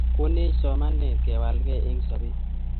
Konech somanet kewalakee eng sobet